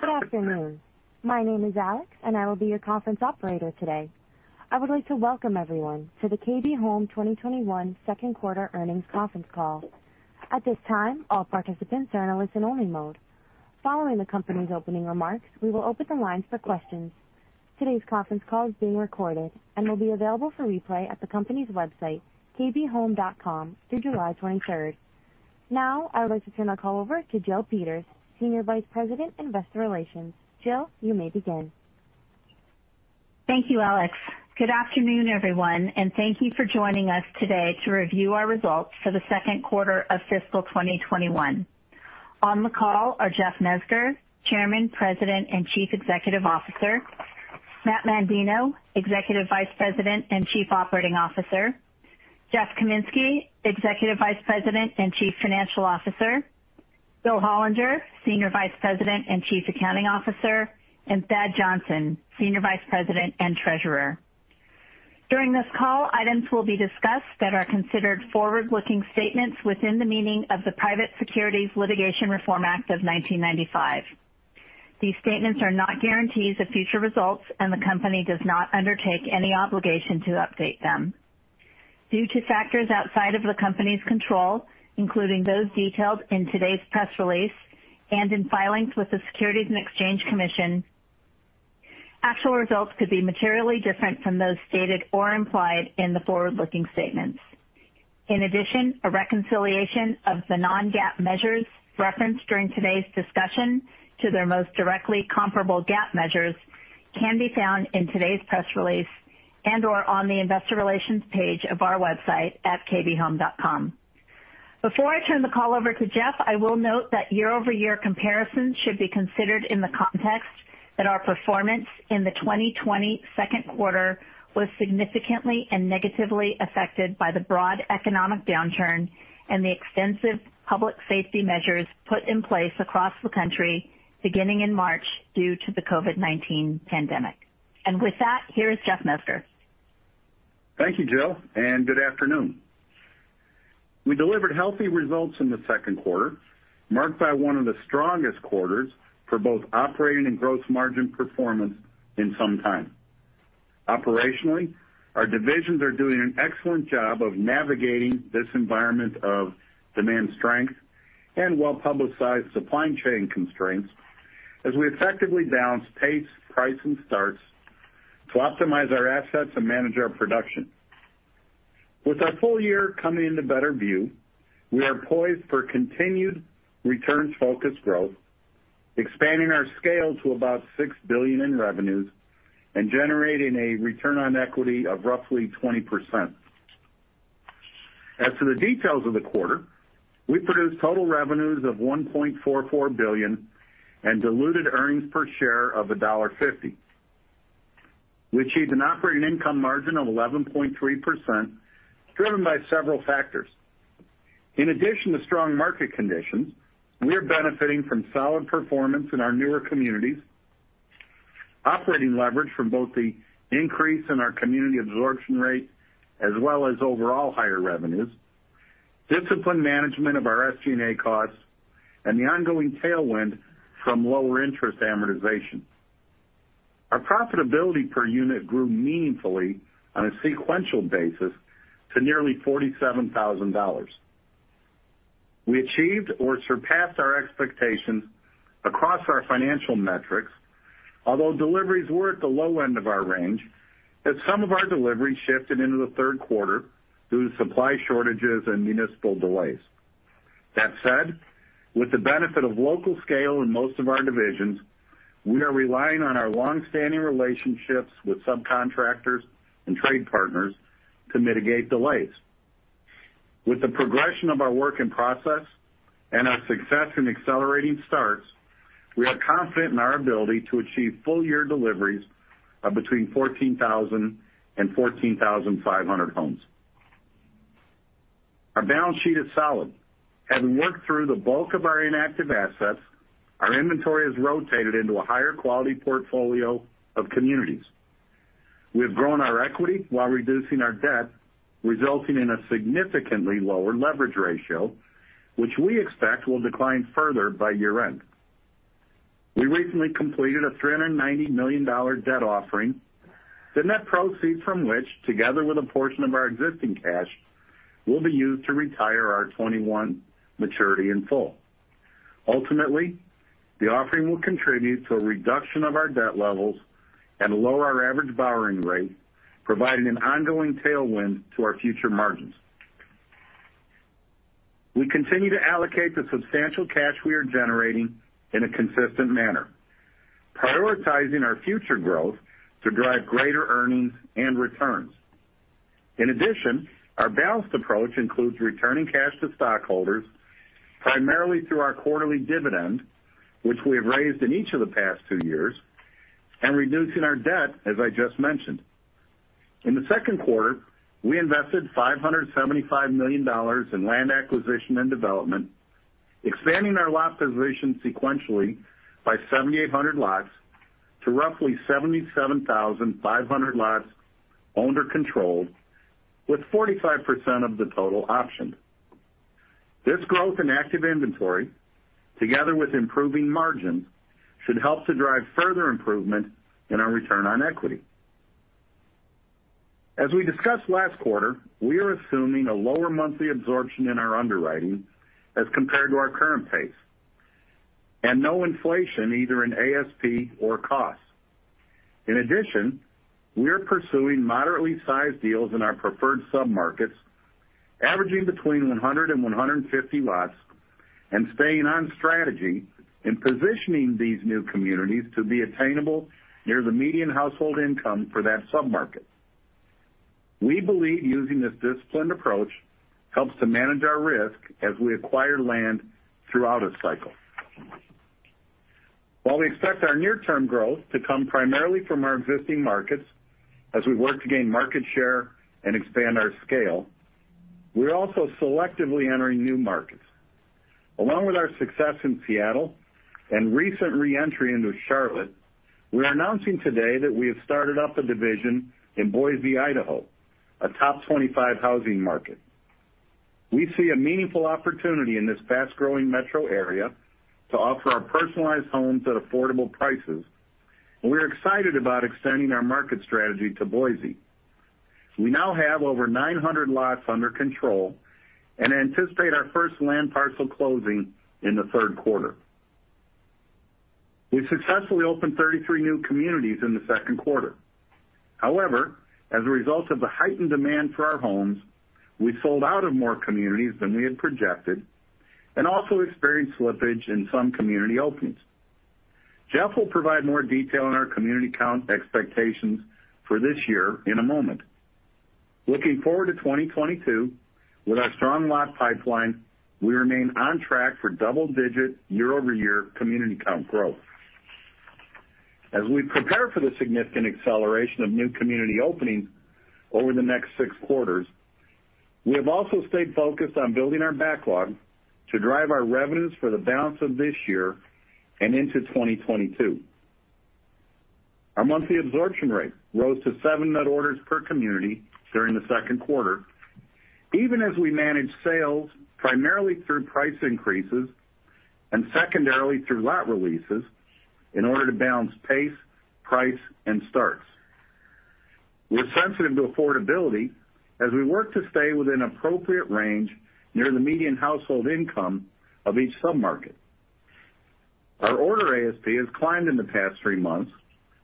Good afternoon. My name is Alex, and I will be your conference operator today. I would like to welcome everyone to the KB Home 2021 second quarter earnings conference call. At this time, all participants are in a listen-only mode. Following the company's opening remarks, we will open the lines for questions. Today's conference call is being recorded and will be available for replay at the company's website, kbhome.com, through July 23rd. Now, I'd like to turn the call over to Jill Peters, Senior Vice President, Investor Relations. Jill, you may begin. Thank you, Alex. Good afternoon, everyone, Thank you for joining us today to review our results for the second quarter of fiscal 2021. On the call are Jeff Mezger, Chairman, President, and Chief Executive Officer, Matt Mandino, Executive Vice President and Chief Operating Officer, Jeff Kaminski, Executive Vice President and Chief Financial Officer, Bill Hollinger, Senior Vice President and Chief Accounting Officer, and Thad Johnson, Senior Vice President and Treasurer. During this call, items will be discussed that are considered forward-looking statements within the meaning of the Private Securities Litigation Reform Act of 1995. These statements are not guarantees of future results, and the company does not undertake any obligation to update them. Due to factors outside of the company's control, including those detailed in today's press release and in filings with the Securities and Exchange Commission, actual results could be materially different from those stated or implied in the forward-looking statements. In addition, a reconciliation of the non-GAAP measures referenced during today's discussion to their most directly comparable GAAP measures can be found in today's press release and/or on the investor relations page of our website at kbhome.com. Before I turn the call over to Jeff, I will note that year-over-year comparisons should be considered in the context that our performance in the 2020 second quarter was significantly and negatively affected by the broad economic downturn and the extensive public safety measures put in place across the country beginning in March due to the COVID-19 pandemic. With that, here's Jeff Mezger. Thank you, Jill, and good afternoon. We delivered healthy results in the second quarter, marked by one of the strongest quarters for both operating and gross margin performance in some time. Operationally, our divisions are doing an excellent job of navigating this environment of demand strength and well-publicized supply chain constraints as we effectively balance pace, price, and starts to optimize our assets and manage our production. With our full year coming into better view, we are poised for continued returns-focused growth, expanding our scale to about $6 billion in revenues and generating a return on equity of roughly 20%. As for the details of the quarter, we produced total revenues of $1.44 billion and diluted earnings per share of $1.50. We achieved an operating income margin of 11.3%, driven by several factors. In addition to strong market conditions, we are benefiting from solid performance in our newer communities, operating leverage from both the increase in our community absorption rate as well as overall higher revenues, disciplined management of our SG&A costs, and the ongoing tailwind from lower interest amortization. Our profitability per unit grew meaningfully on a sequential basis to nearly $47,000. We achieved or surpassed our expectations across our financial metrics, although deliveries were at the low end of our range as some of our deliveries shifted into the third quarter due to supply shortages and municipal delays. That said, with the benefit of local scale in most of our divisions, we are relying on our long-standing relationships with subcontractors and trade partners to mitigate delays. With the progression of our work in process and our success in accelerating starts, we are confident in our ability to achieve full-year deliveries of between 14,000 and 14,500 homes. Our balance sheet is solid. As we work through the bulk of our inactive assets, our inventory has rotated into a higher-quality portfolio of communities. We've grown our equity while reducing our debt, resulting in a significantly lower leverage ratio, which we expect will decline further by year-end. We recently completed a $390 million debt offering, the net proceeds from which, together with a portion of our existing cash, will be used to retire our 2021 maturity in full. Ultimately, the offering will contribute to a reduction of our debt levels and lower our average borrowing rate, providing an ongoing tailwind to our future margins. We continue to allocate the substantial cash we are generating in a consistent manner, prioritizing our future growth to drive greater earnings and returns. Our balanced approach includes returning cash to stockholders, primarily through our quarterly dividend, which we've raised in each of the past two years, and reducing our debt, as I just mentioned. In the second quarter, we invested $575 million in land acquisition and development, expanding our lot positions sequentially by 7,800 lots to roughly 77,500 lots owned or controlled, with 45% of the total optioned. This growth in active inventory, together with improving margins, should help to drive further improvement in our return on equity. As we discussed last quarter, we are assuming a lower monthly absorption in our underwriting as compared to our current pace, and no inflation either in ASP or cost. In addition, we are pursuing moderately sized deals in our preferred submarkets, averaging between 100 and 150 lots, and staying on strategy in positioning these new communities to be attainable near the median household income for that submarket. We believe using a disciplined approach helps to manage our risk as we acquire land throughout a cycle. While we expect our near-term growth to come primarily from our existing markets as we work to gain market share and expand our scale, we're also selectively entering new markets. Along with our success in Seattle and recent re-entry into Charlotte, we're announcing today that we have started up a division in Boise, Idaho, a top 25 housing market. We see a meaningful opportunity in this fast-growing metro area to offer our personalized homes at affordable prices, and we're excited about extending our market strategy to Boise. We now have over 900 lots under control and anticipate our first land parcel closing in the third quarter. We successfully opened 33 new communities in the second quarter. However, as a result of the heightened demand for our homes, we sold out of more communities than we had projected and also experienced slippage in some community openings. Jeff will provide more detail on our community count expectations for this year in a moment. Looking forward to 2022, with our strong lot pipeline, we remain on track for double-digit year-over-year community count growth. As we prepare for the significant acceleration of new community openings over the next six quarters, we have also stayed focused on building our backlog to drive our revenues for the balance of this year and into 2022. Our monthly absorption rate rose to seven net orders per community during the second quarter, even as we managed sales primarily through price increases and secondarily through lot releases in order to balance pace, price, and starts. We're sensitive to affordability as we work to stay within appropriate range near the median household income of each submarket. Our order ASP has climbed in the past three months,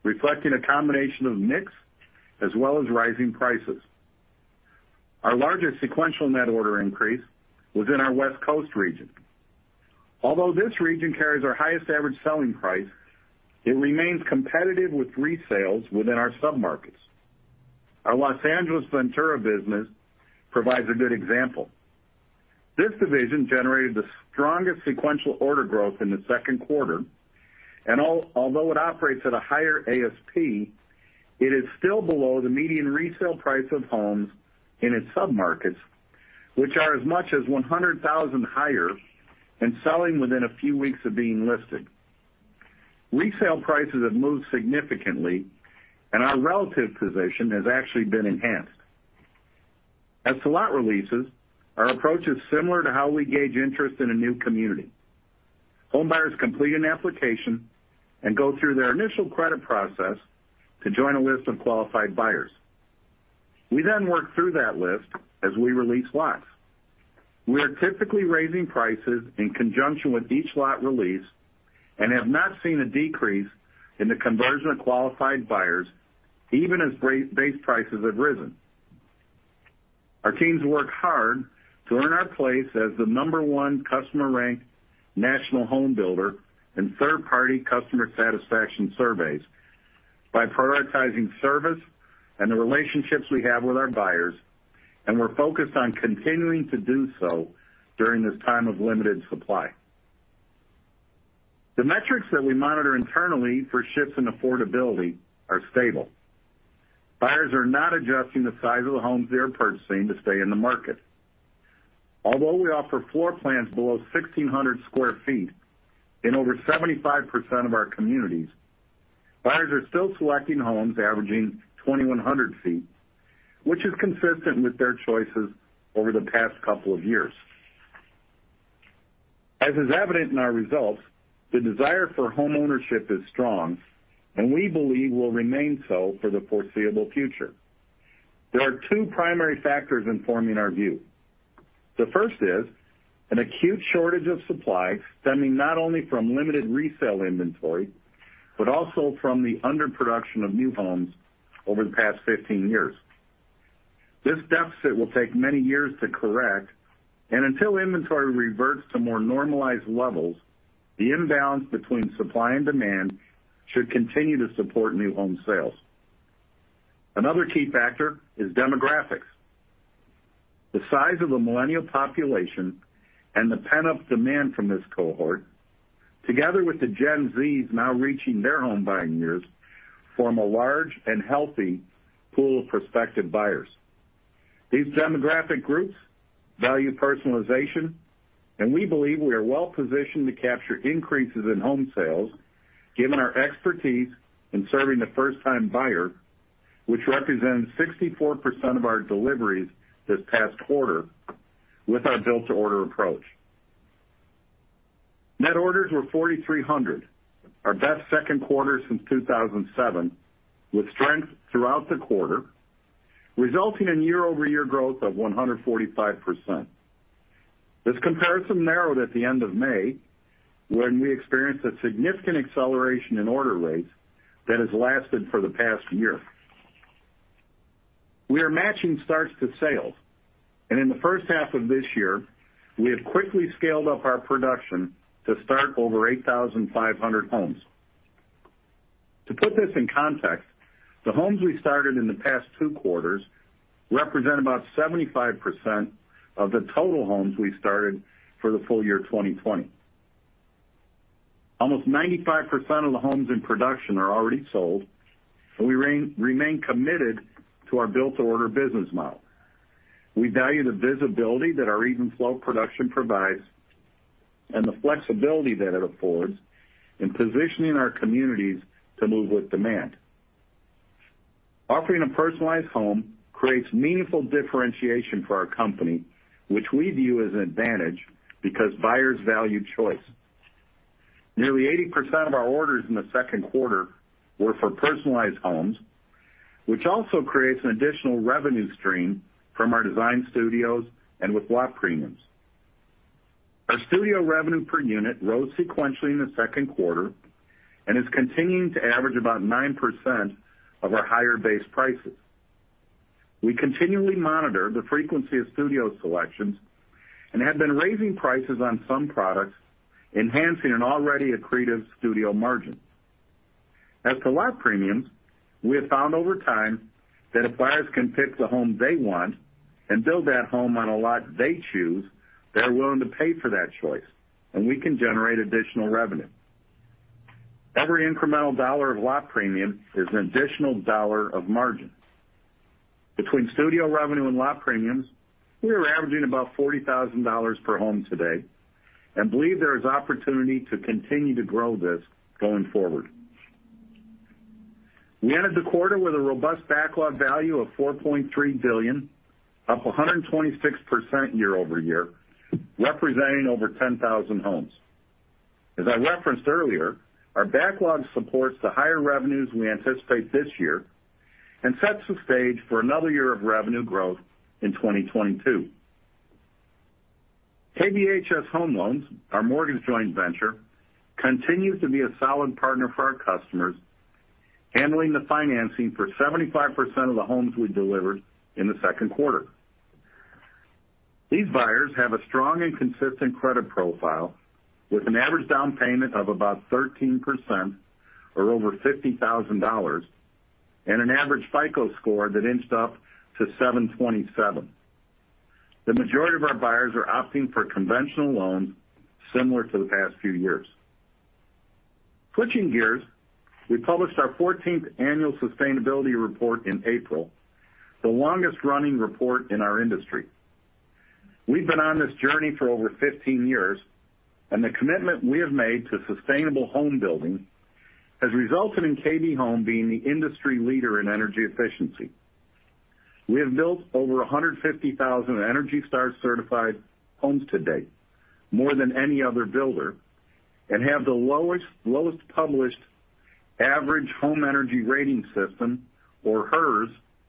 reflecting a combination of mix as well as rising prices. Our largest sequential net order increase was in our West Coast region. Although this region carries our highest average selling price, it remains competitive with resales within our submarkets. Our Los Angeles Ventura business provides a good example. This division generated the strongest sequential order growth in the second quarter, and although it operates at a higher ASP, it is still below the median resale price of homes in its submarkets, which are as much as $100,000 higher and selling within a few weeks of being listed. Resale prices have moved significantly, and our relative position has actually been enhanced. As to lot releases, our approach is similar to how we gauge interest in a new community. Home buyers complete an application and go through their initial credit process to join a list of qualified buyers. We then work through that list as we release lots. We are typically raising prices in conjunction with each lot release and have not seen a decrease in the conversion of qualified buyers, even as base prices have risen. Our teams work hard to earn our place as the number one customer-ranked national homebuilder in third-party customer satisfaction surveys by prioritizing service and the relationships we have with our buyers. We're focused on continuing to do so during this time of limited supply. The metrics that we monitor internally for shifts in affordability are stable. Buyers are not adjusting the size of the homes they're purchasing to stay in the market. Although we offer floor plans below 1,600 sq ft in over 75% of our communities, buyers are still selecting homes averaging 2,100 ft, which is consistent with their choices over the past couple of years. As is evident in our results, the desire for homeownership is strong and we believe will remain so for the foreseeable future. There are two primary factors informing our view. The first is an acute shortage of supply stemming not only from limited resale inventory, but also from the underproduction of new homes over the past 15 years. This deficit will take many years to correct, and until inventory reverts to more normalized levels, the imbalance between supply and demand should continue to support new home sales. Another key factor is demographics. The size of the millennial population and the pent-up demand from this cohort, together with the Gen Zs now reaching their home buying years, form a large and healthy pool of prospective buyers. These demographic groups value personalization, and we believe we are well-positioned to capture increases in home sales given our expertise in serving the first-time buyer which represents 64% of our deliveries this past quarter with our built-to-order approach. Net orders were 4,300, our best second quarter since 2007, with strength throughout the quarter, resulting in year-over-year growth of 145%. This comparison narrowed at the end of May, when we experienced a significant acceleration in order rates that has lasted for the past year. We are matching starts to sales, and in the first half of this year, we have quickly scaled up our production to start over 8,500 homes. To put this in context, the homes we started in the past two quarters represent about 75% of the total homes we started for the full year 2020. Almost 95% of the homes in production are already sold, so we remain committed to our built-to-order business model. We value the visibility that our even flow of production provides and the flexibility that it affords in positioning our communities to move with demand. Offering a personalized home creates meaningful differentiation for our company, which we view as an advantage because buyers value choice. Nearly 80% of our orders in the second quarter were for personalized homes, which also creates an additional revenue stream from our design studios and with lot premiums. Our studio revenue per unit rose sequentially in the second quarter and is continuing to average about 9% of our higher base prices. We continually monitor the frequency of studio selections and have been raising prices on some products, enhancing an already accretive studio margin. As to lot premiums, we have found over time that if buyers can pick the home they want and build that home on a lot they choose, they're willing to pay for that choice, and we can generate additional revenue. Every incremental dollar of lot premium is an additional dollar of margin. Between studio revenue and lot premiums, we are averaging about $40,000 per home today and believe there is opportunity to continue to grow this going forward. We ended the quarter with a robust backlog value of $4.3 billion, up 126% year-over-year, representing over 10,000 homes. As I referenced earlier, our backlog supports the higher revenues we anticipate this year and sets the stage for another year of revenue growth in 2022. KBHS Home Loans, our mortgage joint venture, continues to be a solid partner for our customers, handling the financing for 75% of the homes we delivered in the second quarter. These buyers have a strong and consistent credit profile, with an average down payment of about 13%, or over $50,000, and an average FICO score that inched up to 727. The majority of our buyers are opting for conventional loans similar to the past few years. Switching gears, we published our 14th annual sustainability report in April, the longest-running report in our industry. We've been on this journey for over 15 years. The commitment we have made to sustainable home building has resulted in KB Home being the industry leader in energy efficiency. We have built over 150,000 ENERGY STAR certified homes to date, more than any other builder, have the lowest published average Home Energy Rating System, or HERS,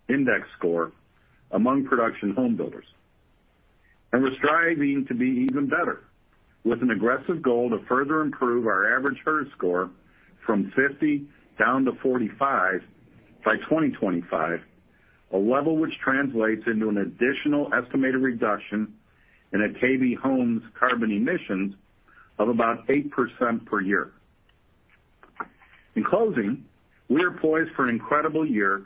Index score among production home builders. We're striving to be even better, with an aggressive goal to further improve our average HERS score from 50 down to 45 by 2025, a level which translates into an additional estimated reduction in KB Home's carbon emissions of about 8% per year. In closing, we are poised for an incredible year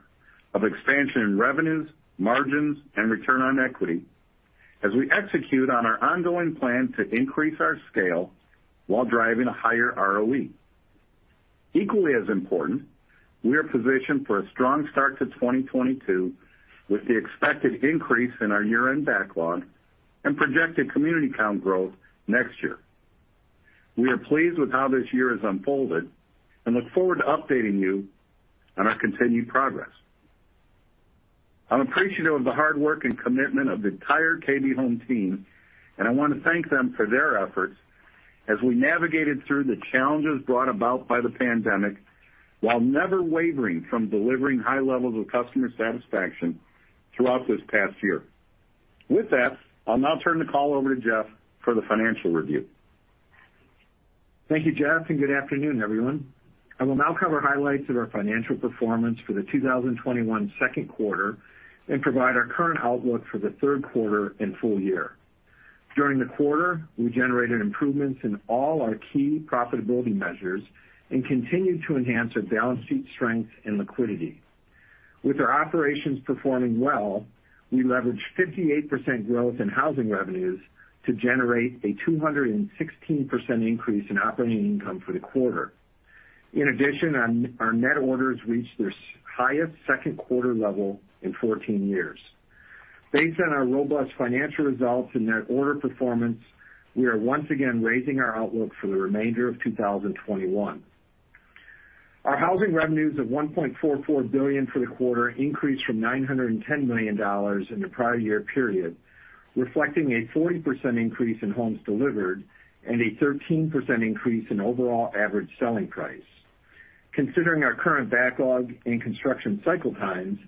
of expansion in revenues, margins, and return on equity as we execute on our ongoing plan to increase our scale while driving a higher ROE. Equally as important, we are positioned for a strong start to 2022 with the expected increase in our year-end backlog and projected community count growth next year. We are pleased with how this year has unfolded and look forward to updating you on our continued progress. I'm appreciative of the hard work and commitment of the entire KB Home team, and I want to thank them for their efforts as we navigated through the challenges brought about by the pandemic, while never wavering from delivering high levels of customer satisfaction throughout this past year. With that, I'll now turn the call over to Jeff for the financial review. Thank you, Jeff, and good afternoon, everyone. I will now cover highlights of our financial performance for the 2021 second quarter and provide our current outlook for the third quarter and full year. During the quarter, we generated improvements in all our key profitability measures and continued to enhance our balance sheet strength and liquidity. With our operations performing well, we leveraged 58% growth in housing revenues to generate a 216% increase in operating income for the quarter. In addition, our net orders reached their highest second quarter level in 14 years. Based on our robust financial results and net order performance, we are once again raising our outlook for the remainder of 2021. Our housing revenues of $1.44 billion for the quarter increased from $910 million in the prior year period, reflecting a 40% increase in homes delivered and a 13% increase in overall average selling price. Considering our current backlog and construction cycle times,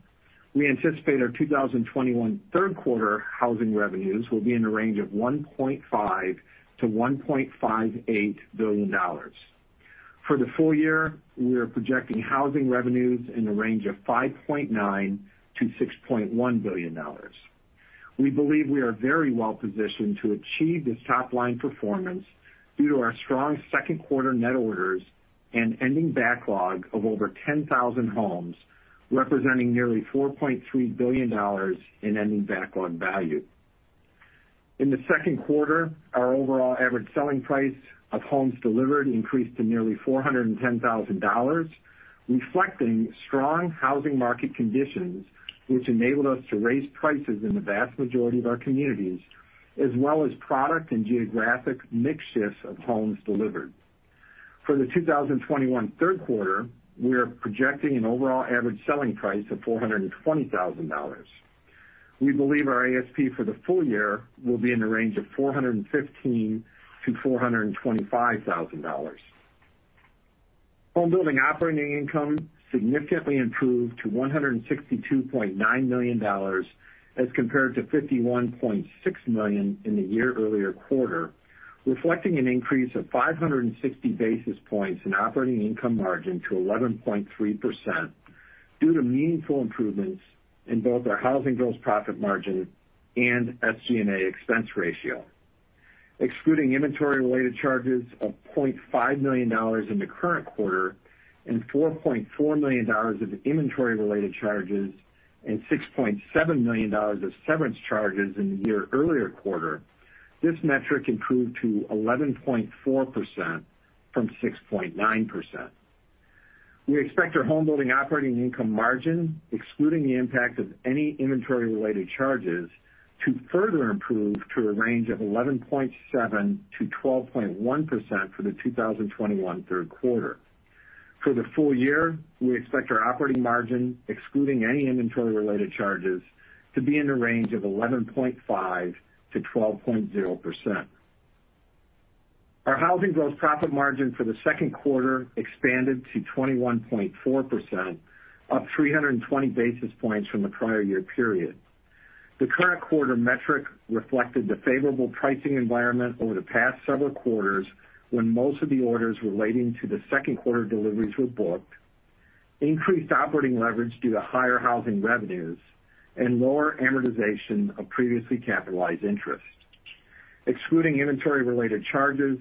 we anticipate our 2021 third quarter housing revenues will be in the range of $1.5 billion-$1.58 billion. For the full year, we are projecting housing revenues in the range of $5.9 billion-$6.1 billion. We believe we are very well positioned to achieve this top-line performance due to our strong second quarter net orders and ending backlog of over 10,000 homes, representing nearly $4.3 billion in ending backlog value. In the second quarter, our overall average selling price of homes delivered increased to nearly $410,000, reflecting strong housing market conditions, which enabled us to raise prices in the vast majority of our communities, as well as product and geographic mix shifts of homes delivered. For the 2021 third quarter, we are projecting an overall average selling price of $420,000. We believe our ASP for the full year will be in the range of $415,000-$425,000. Homebuilding operating income significantly improved to $162.9 million as compared to $51.6 million in the year earlier quarter, reflecting an increase of 560 basis points in operating income margin to 11.3% due to meaningful improvements in both our housing gross profit margin and SG&A expense ratio. Excluding inventory-related charges of $0.5 million in the current quarter and $4.4 million of inventory-related charges and $6.7 million of severance charges in the year-earlier quarter, this metric improved to 11.4% from 6.9%. We expect our homebuilding operating income margin, excluding the impact of any inventory-related charges, to further improve to a range of 11.7%-12.1% for the 2021 third quarter. For the full year, we expect our operating margin, excluding any inventory-related charges, to be in the range of 11.5%-12.0%. Our housing gross profit margin for the second quarter expanded to 21.4%, up 320 basis points from the prior year period. The current quarter metric reflected the favorable pricing environment over the past several quarters when most of the orders relating to the second quarter deliveries were booked, increased operating leverage due to higher housing revenues, and lower amortization of previously capitalized interest. Excluding inventory-related charges,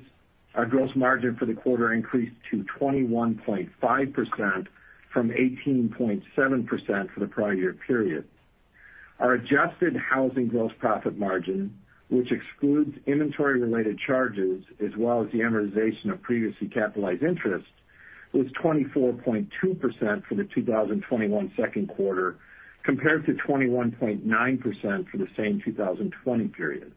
our gross margin for the quarter increased to 21.5% from 18.7% for the prior year period. Our adjusted housing gross profit margin, which excludes inventory-related charges as well as the amortization of previously capitalized interest, was 24.2% for the 2021 second quarter, compared to 21.9% for the same 2020 period.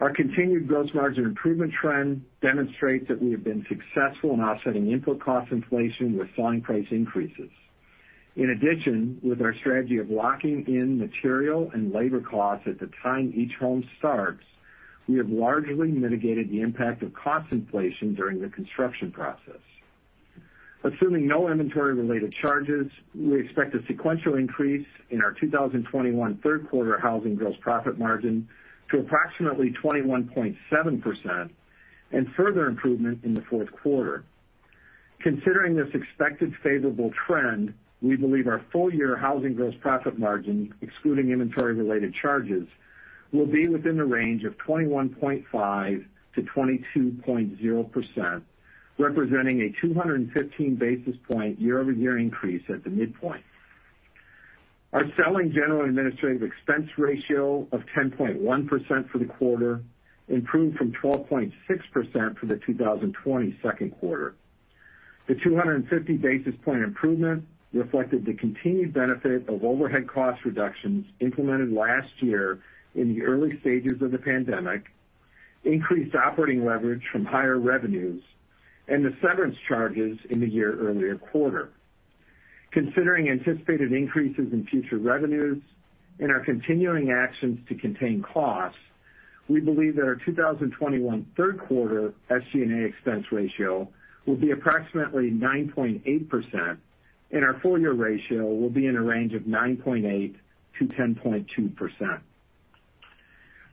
Our continued gross margin improvement trend demonstrates that we have been successful in offsetting input cost inflation with selling price increases. In addition, with our strategy of locking in material and labor costs at the time each home starts, we have largely mitigated the impact of cost inflation during the construction process. Assuming no inventory-related charges, we expect a sequential increase in our 2021 third quarter housing gross profit margin to approximately 21.7% and further improvement in the fourth quarter. Considering this expected favorable trend, we believe our full-year housing gross profit margin, excluding inventory-related charges, will be within the range of 21.5%-22.0%, representing a 215-basis point year-over-year increase at the midpoint. Our selling, general, and administrative expense ratio of 10.1% for the quarter improved from 12.6% for the 2020 second quarter. The 250-basis point improvement reflected the continued benefit of overhead cost reductions implemented last year in the early stages of the pandemic, increased operating leverage from higher revenues, and the severance charges in the year-earlier quarter. Considering anticipated increases in future revenues and our continuing actions to contain costs, we believe that our 2021 third quarter SG&A expense ratio will be approximately 9.8%, and our full-year ratio will be in the range of 9.8%-10.2%.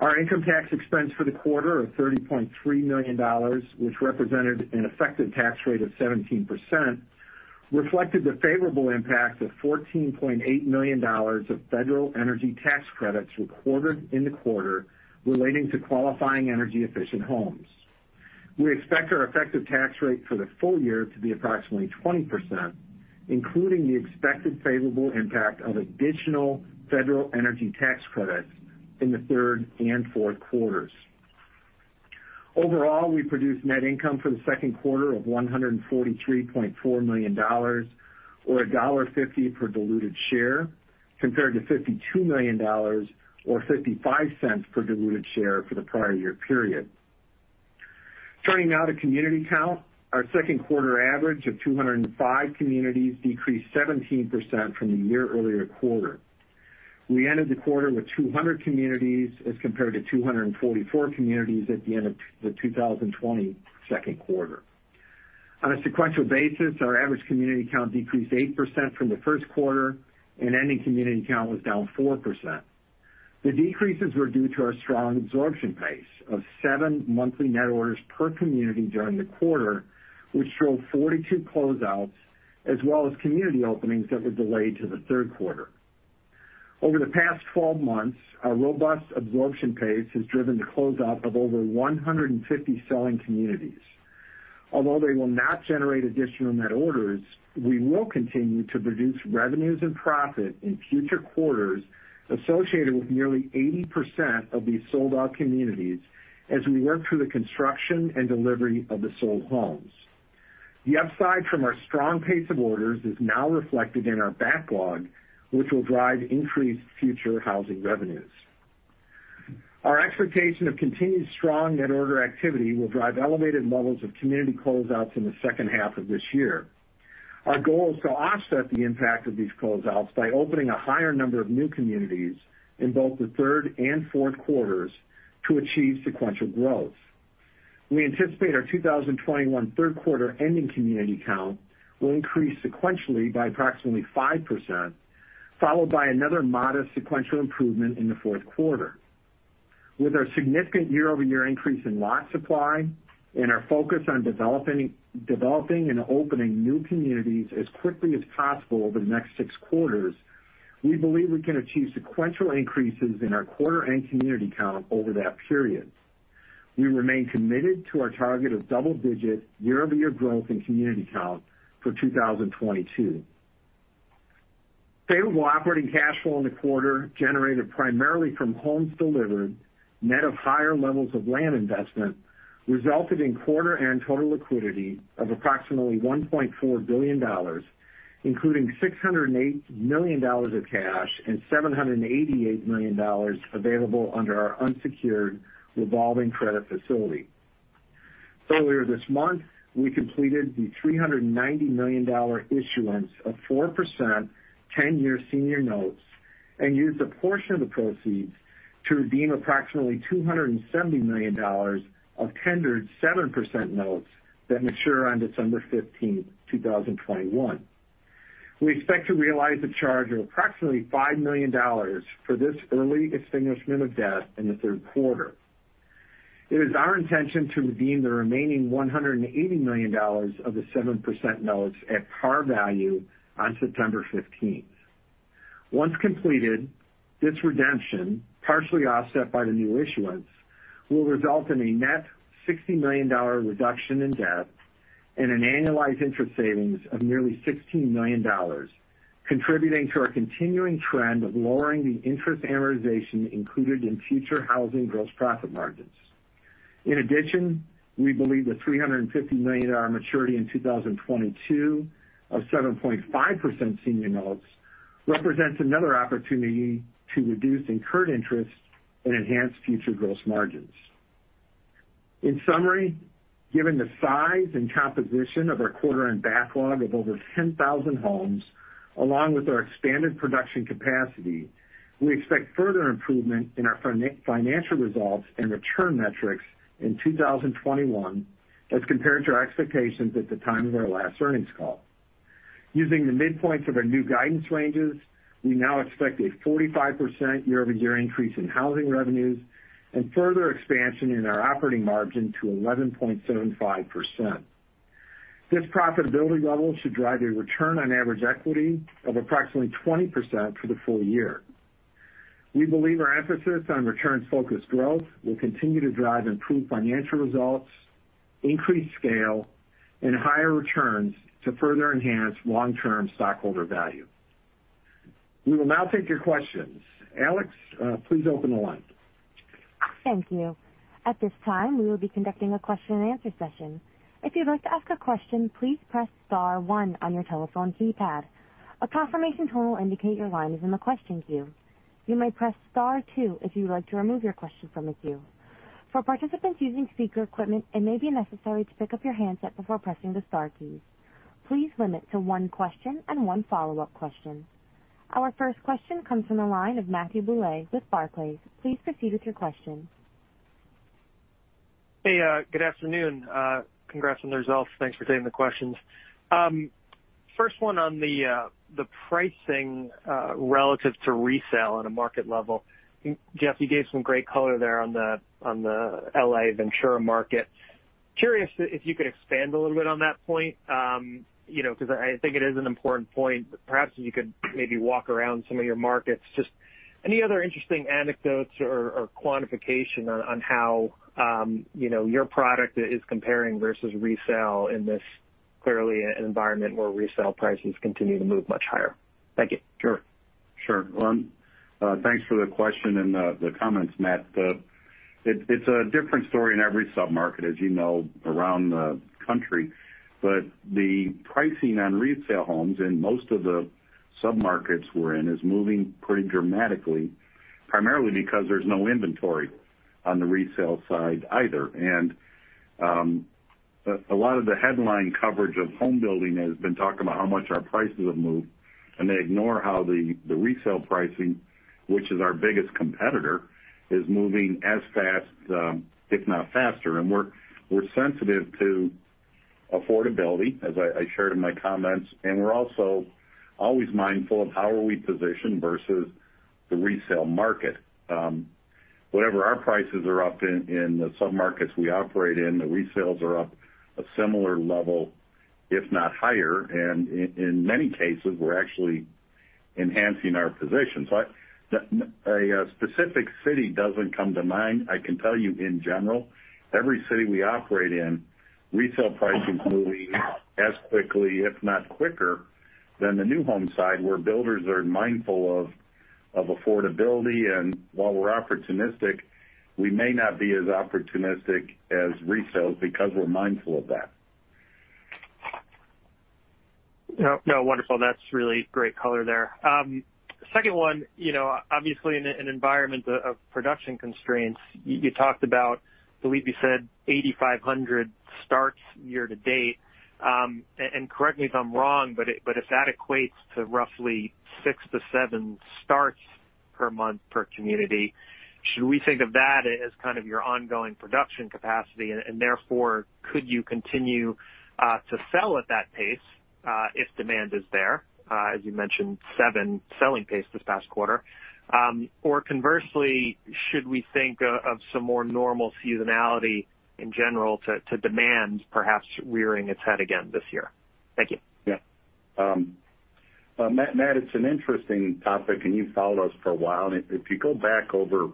Our income tax expense for the quarter of $30.3 million, which represented an effective tax rate of 17%, reflected the favorable impact of $14.8 million of federal energy tax credits recorded in the quarter relating to qualifying energy-efficient homes. We expect our effective tax rate for the full year to be approximately 20%, including the expected favorable impact of additional federal energy tax credits in the third and fourth quarters. Overall, we produced net income for the second quarter of $143.4 million, or $1.50 per diluted share, compared to $52 million, or $0.55 per diluted share for the prior year period. Turning now to community count, our second quarter average of 205 communities decreased 17% from the year earlier quarter. We ended the quarter with 200 communities as compared to 244 communities at the end of the 2020 second quarter. On a sequential basis, our average community count decreased 8% from the first quarter and ending community count was down 4%. The decreases were due to our strong absorption pace of 7 monthly net orders per community during the quarter, which showed 42 closeouts, as well as community openings that were delayed to the third quarter. Over the past 12 months, our robust absorption pace has driven closeout of over 150 selling communities. Although they will not generate additional net orders, we will continue to produce revenues and profit in future quarters associated with nearly 80% of these sold-out communities as we work through the construction and delivery of the sold homes. The upside from our strong pace of orders is now reflected in our backlog, which will drive increased future housing revenues. Our expectation of continued strong net order activity will drive elevated levels of community closeouts in the second half of this year. Our goal is to offset the impact of these closeouts by opening a higher number of new communities in both the third and fourth quarters to achieve sequential growth. We anticipate our 2021 third quarter ending community count will increase sequentially by approximately 5%, followed by another modest sequential improvement in the fourth quarter. With our significant year-over-year increase in lot supply and our focus on developing and opening new communities as quickly as possible over the next six quarters, we believe we can achieve sequential increases in our quarter and community count over that period. We remain committed to our target of double-digit year-over-year growth in community count for 2022. Favorable operating cash flow in the quarter generated primarily from homes delivered, net of higher levels of land investment, resulted in quarter and total liquidity of approximately $1.4 billion, including $608 million of cash and $788 million available under our unsecured revolving credit facility. Earlier this month, we completed the $390 million issuance of 4% 10-year senior notes and used a portion of the proceeds to redeem approximately $270 million of tendered 7% notes that mature on December 15th, 2021. We expect to realize a charge of approximately $5 million for this early extinguishment of debt in the third quarter. It is our intention to redeem the remaining $180 million of the 7% notes at par value on September 15th. Once completed, this redemption, partially offset by the new issuance, will result in a net $60 million reduction in debt and an annualized interest savings of nearly $16 million, contributing to our continuing trend of lowering the interest amortization included in future housing gross profit margins. In addition, we believe the $350 million maturity in 2022 of 7.5% senior notes represents another opportunity to reduce incurred interest and enhance future gross margins. In summary, given the size and composition of our quarter-end backlog of over 10,000 homes, along with our expanded production capacity, we expect further improvement in our financial results and return metrics in 2021 as compared to our expectations at the time of our last earnings call. Using the midpoints of our new guidance ranges, we now expect a 45% year-over-year increase in housing revenues and further expansion in our operating margin to 11.75%. This profitability level should drive a return on average equity of approximately 20% for the full year. We believe our emphasis on return-focused growth will continue to drive improved financial results, increased scale, and higher returns to further enhance long-term stockholder value. We will now take your questions. Alex, please open the line. Thank you. At this time, we will be conducting a question and answer session. If you'd like to ask a question, please press star one on your telephone keypad. A confirmation tone will indicate your line is in the question queue. You may press star two if you'd like to remove your question from the queue. For participants using speaker equipment, it may be necessary to pick up your handset before pressing the star keys. Please limit to one question and one follow-up question. Our first question comes from the line of Matthew Bouley with Barclays. Please proceed with your question. Hey, good afternoon. Congrats on the results. Thanks for taking the questions. First one on the pricing relative to resale on a market level. Jeff, you gave some great color there on the L.A. Ventura market. Curious if you could expand a little bit on that point, because I think it is an important point. Perhaps you could maybe walk around some of your markets. Just any other interesting anecdotes or quantification on how your product is comparing versus resale in this clearly an environment where resale prices continue to move much higher? Thank you. Sure. Thanks for the question and the comments, Matt. It's a different story in every sub-market, as you know, around the country. The pricing on resale homes in most of the sub-markets we're in is moving pretty dramatically, primarily because there's no inventory on the resale side either. A lot of the headline coverage of home building has been talking about how much our prices have moved, and they ignore how the resale pricing, which is our biggest competitor, is moving as fast, if not faster. We're sensitive to affordability, as I shared in my comments, and we're also always mindful of how are we positioned versus the resale market. Whenever our prices are up in the sub-markets we operate in, the resales are up a similar level, if not higher. In many cases, we're actually enhancing our position. A specific city doesn't come to mind. I can tell you in general, every city we operate in, resale pricing is moving as quickly, if not quicker, than the new home side, where builders are mindful of affordability. While we're opportunistic, we may not be as opportunistic as resales because we're mindful of that. No, wonderful. That's really great color there. Second one, obviously in an environment of production constraints, you talked about, I believe you said 8,500 starts year-to-date. Correct me if I'm wrong, but if that equates to roughly six to seven starts per month per community, should we think of that as kind of your ongoing production capacity? Therefore, could you continue to sell at that pace if demand is there, as you mentioned, seven selling pace this past quarter? Conversely, should we think of some more normal seasonality in general to demand perhaps rearing its head again this year? Thank you. Yeah. Matt, it's an interesting topic, and you've followed us for a while. If you go back over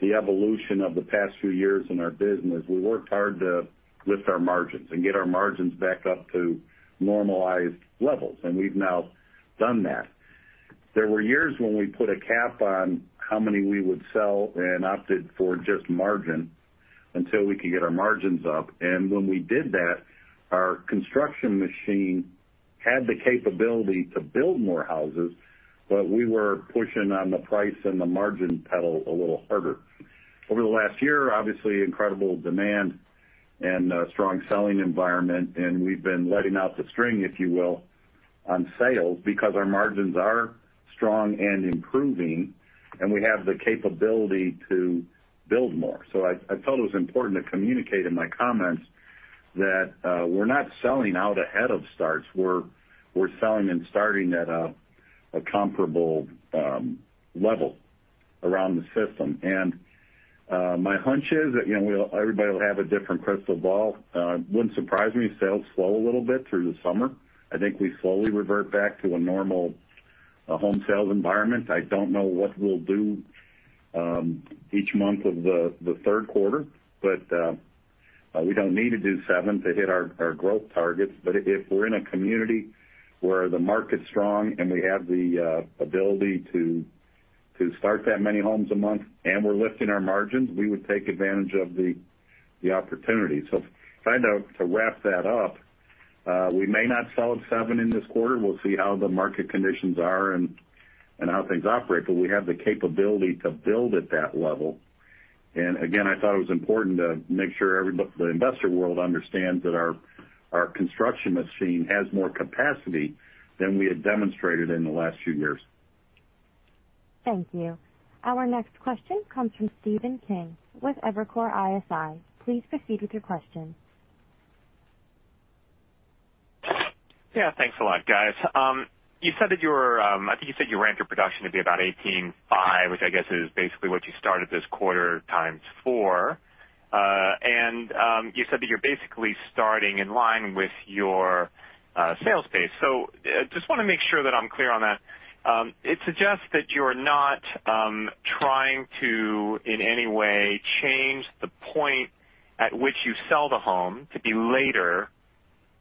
the evolution of the past few years in our business, we worked hard to lift our margins and get our margins back up to normalized levels, and we've now done that. There were years when we put a cap on how many we would sell and opted for just margin until we could get our margins up. When we did that, our construction machine had the capability to build more houses, but we were pushing on the price and the margin pedal a little harder. Over the last year, obviously, incredible demand and a strong selling environment, and we've been letting out the string, if you will, on sales because our margins are strong and improving, and we have the capability to build more. I felt it was important to communicate in my comments that we're not selling out ahead of starts. We're selling and starting at a comparable level around the system. My hunch is that everybody will have a different crystal ball. It wouldn't surprise me if sales slow a little bit through the summer. I think we slowly revert back to a normal home sales environment. I don't know what we'll do each month of the third quarter, but we don't need to do seven to hit our growth targets. If we're in a community where the market's strong and we have the ability to start that many homes a month and we're lifting our margins, we would take advantage of the opportunity. Kind of to wrap that up, we may not sell at 7 in this quarter. We'll see how the market conditions are and how things operate, but we have the capability to build at that level. Again, I thought it was important to make sure the investor world understands that our construction machine has more capacity than we had demonstrated in the last few years. Thank you. Our next question comes from Stephen Kim with Evercore ISI. Please proceed with your question. Yeah, thanks a lot, guys. You said that you ran your production to be about 18.5, which I guess is basically what you started this quarter times 4. You said that you're basically starting in line with your sales pace. Just want to make sure that I'm clear on that. It suggests that you're not trying to, in any way, change the point at which you sell the home to be later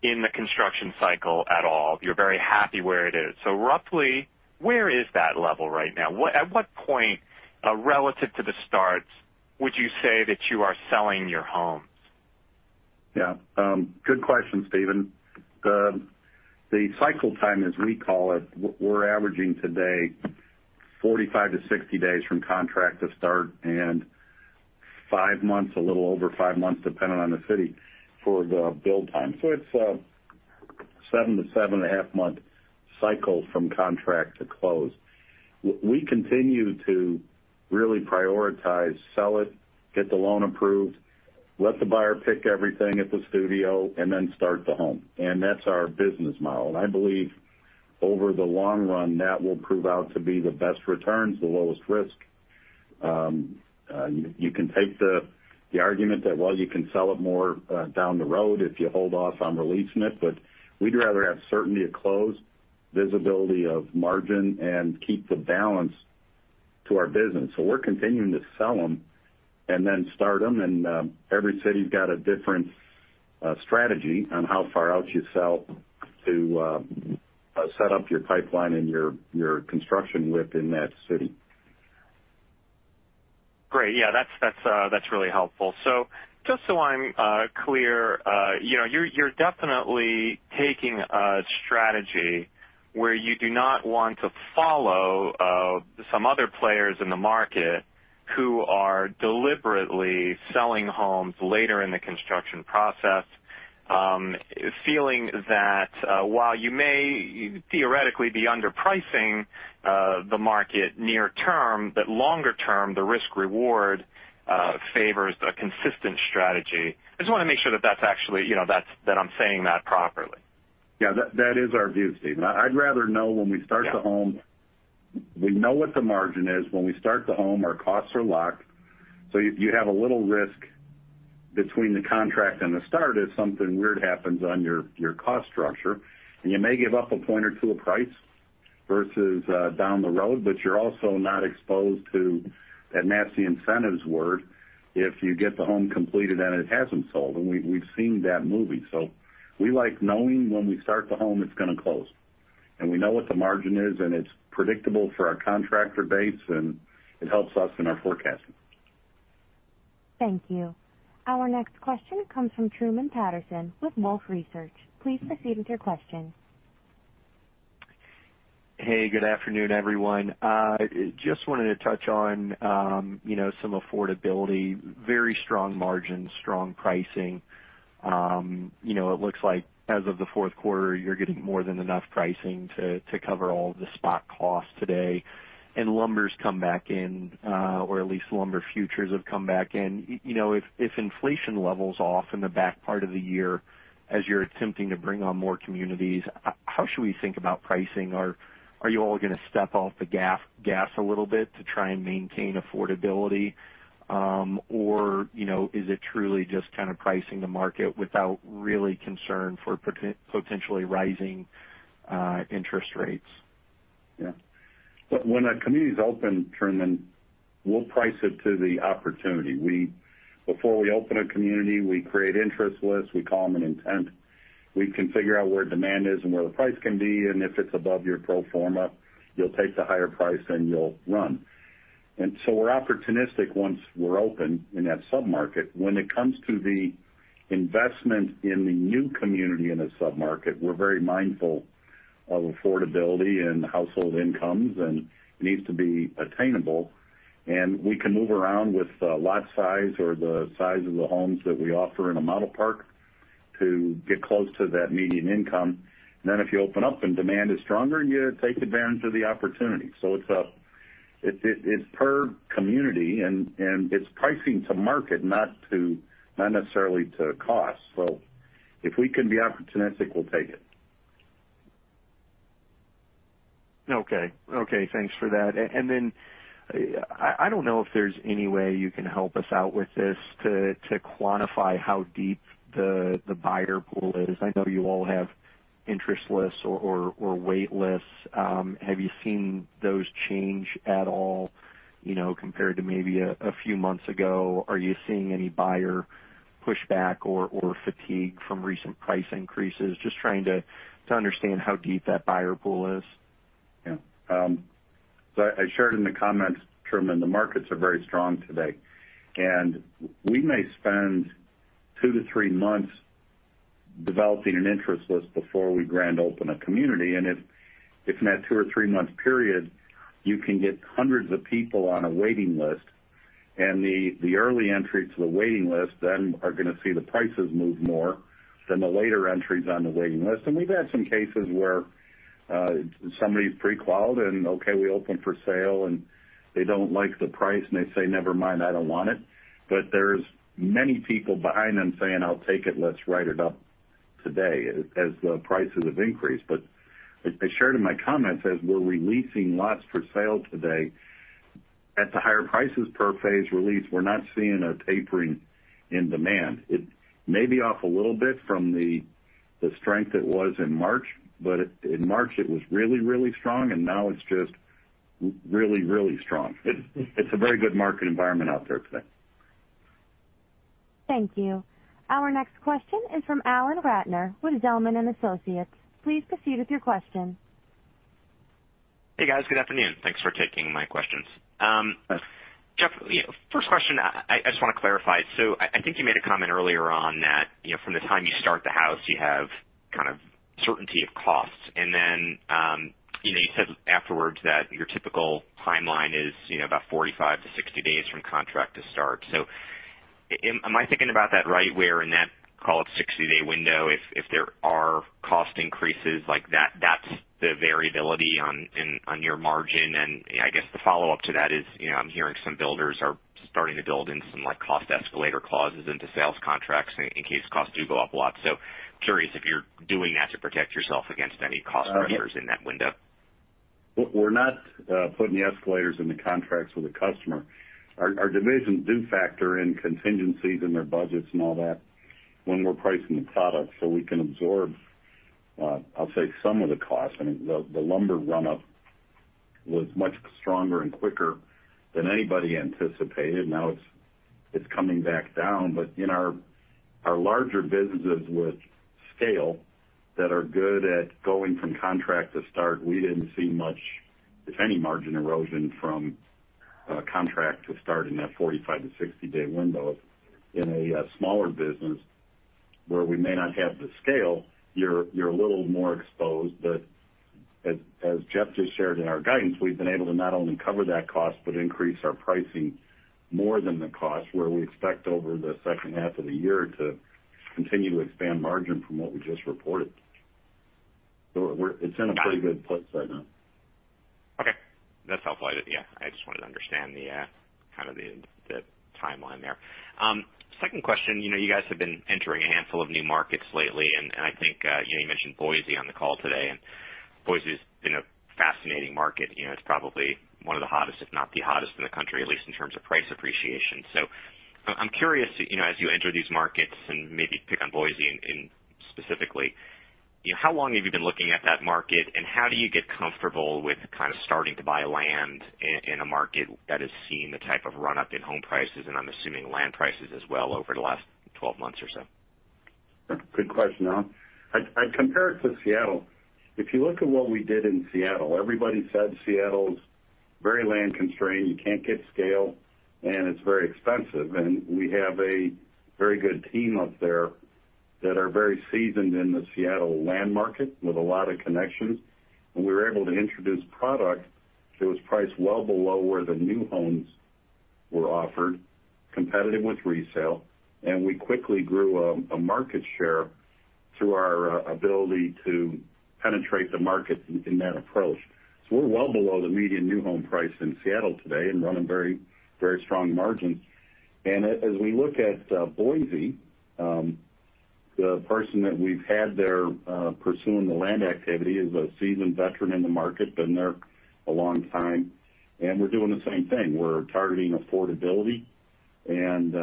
in the construction cycle at all. You're very happy where it is. Roughly, where is that level right now? At what point relative to the starts would you say that you are selling your homes? Good question, Stephen. The cycle time, as we call it, we're averaging today 45 to 60 days from contract to start and five months, a little over 5 months, depending on the city, for the build time. It's a 7 to 7.5 month cycle from contract to close. We continue to really prioritize, sell it, get the loan approved, let the buyer pick everything at the studio, and then start the home. That's our business model. I believe over the long run, that will prove out to be the best returns, the lowest risk. You can take the argument that, well, you can sell it more down the road if you hold off on releasing it, but we'd rather have certainty of close, visibility of margin, and keep the balance to our business. We're continuing to sell them and then start them, and every city's got a different strategy on how far out you sell to set up your pipeline and your construction within that city. Great. Yeah, that's really helpful. Just so I'm clear, you're definitely taking a strategy where you do not want to follow some other players in the market who are deliberately selling homes later in the construction process, feeling that while you may theoretically be underpricing the market near term, that longer term, the risk-reward favors a consistent strategy. Just want to make sure that I'm saying that properly. Yeah. That is our view, Steve. I'd rather know when we start the home. We know what the margin is. When we start the home, our costs are locked. You have a little risk between the contract and the start if something weird happens on your cost structure, and you may give up a point or two of price versus down the road, but you're also not exposed to that nasty incentives word if you get the home completed and it hasn't sold. We've seen that movie. We like knowing when we start the home, it's going to close, and we know what the margin is, and it's predictable for our contractor base, and it helps us in our forecasting. Thank you. Our next question comes from Truman Patterson with Wolfe Research. Please proceed with your question. Hey, good afternoon, everyone. Just wanted to touch on some affordability, very strong margins, strong pricing. It looks like as of the fourth quarter, you're getting more than enough pricing to cover all of the spot costs today, and lumber's come back in, or at least lumber futures have come back in. If inflation levels off in the back part of the year as you're attempting to bring on more communities, how should we think about pricing? Are you all going to step off the gas a little bit to try and maintain affordability? Is it truly just kind of pricing the market without really concern for potentially rising interest rates? Yeah. When a community is open, Truman, we'll price it to the opportunity. Before we open a community, we create interest lists. We call them an intent. We can figure out where demand is and where price can be, and if it's above your pro forma, you'll take the higher price and you'll run. We're opportunistic once we're open in that sub-market. When it comes to the investment in the new community in a sub-market, we're very mindful of affordability and household incomes, and it needs to be attainable. We can move around with the lot size or the size of the homes that we offer in a model park to get close to that median income. If you open up and demand is stronger, you take advantage of the opportunity. It's per community, and it's pricing to market, not necessarily to cost. If we can be opportunistic, we'll take it. Okay. Thanks for that. I don't know if there's any way you can help us out with this to quantify how deep the buyer pool is. I know you all have interest lists or wait lists. Have you seen those change at all, compared to maybe a few months ago? Are you seeing any buyer pushback or fatigue from recent price increases? Just trying to understand how deep that buyer pool is. Yeah. I shared in the comments, Truman, the markets are very strong today, and we may spend two to three months developing an interest list before we grand open a community. If in that two or three-month period, you can get hundreds of people on a waiting list, and the early entry to the waiting list then are going to see the prices move more than the later entries on the waiting list. We've had some cases where somebody's pre-qualified, and okay, we open for sale, and they don't like the price, and they say, "Never mind, I don't want it." There's many people behind them saying, "I'll take it. Let's write it up today," as the prices have increased. As I shared in my comments, as we're releasing lots for sale today at the higher prices per phase release, we're not seeing a tapering in demand. It may be off a little bit from the strength it was in March, but in March, it was really, really strong, and now it's just really, really strong. It's a very good market environment out there today. Thank you. Our next question is from Alan Ratner with Zelman & Associates. Please proceed with your question. Hey, guys. Good afternoon. Thanks for taking my questions. Jeff, first question, I just want to clarify. I think you made a comment earlier on that from the time you start the house, you have kind of certainty of cost, and then you said afterwards that your typical timeline is about 45-60 days from contract to start. Am I thinking about that right where in that called 60-day window, if there are cost increases like that's the variability on your margin? I guess the follow-up to that is, I'm hearing some builders are starting to build in some cost escalator clauses into sales contracts in case costs do go up a lot. Curious if you're doing that to protect yourself against any cost increases in that window. We're not putting escalators in the contracts with the customer. Our divisions do factor in contingencies in their budgets and all that when we're pricing the product, so we can absorb, I'll say some of the cost. The lumber run-up was much stronger and quicker than anybody anticipated. Now it's coming back down, but in our larger businesses with scale that are good at going from contract to start, we didn't see much, if any, margin erosion from contract to start in that 45- to 60-day window. In a smaller business where we may not have the scale, you're a little more exposed. As Jeff just shared in our guidance, we've been able to not only cover that cost but increase our pricing more than the cost where we expect over the second half of the year to continue to expand margin from what we just reported. It's in a pretty good place right now. Okay. That's helpful. Yeah, I just wanted to understand the timeline there. Second question, you guys have been entering a handful of new markets lately, and I think you mentioned Boise on the call today, and Boise's been a fascinating market. It's probably one of the hottest, if not the hottest in the country, at least in terms of price appreciation. I'm curious, as you enter these markets and maybe pick on Boise specifically, how long have you been looking at that market and how do you get comfortable with kind of starting to buy land in a market that has seen the type of run-up in home prices, and I'm assuming land prices as well over the last 12 months or so? Good question. I compare it to Seattle. If you look at what we did in Seattle, everybody said Seattle's very land constrained, you can't get scale, and it's very expensive. We have a very good team up there that are very seasoned in the Seattle land market with a lot of connections. We were able to introduce product that was priced well below where the new homes were offered, competitive with resale, and we quickly grew a market share through our ability to penetrate the market in that approach. We're well below the median new home price in Seattle today and running very strong margins. As we look at Boise, the person that we've had there pursuing the land activity is a seasoned veteran in the market, been there a long time, and we're doing the same thing. We're targeting affordability and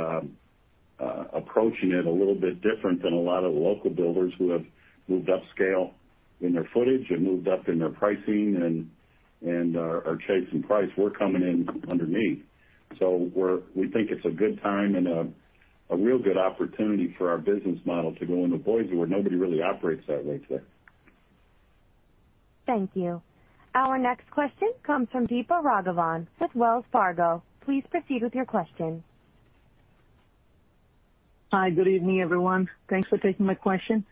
approaching it a little bit different than a lot of the local builders who have moved upscale in their footage and moved up in their pricing and are chasing price. We're coming in underneath. We think it's a good time and a real good opportunity for our business model to go into Boise, where nobody really operates that way today. Thank you. Our next question comes from Deepa Raghavan with Wells Fargo. Please proceed with your question. Hi, good evening, everyone. Thanks for taking my question.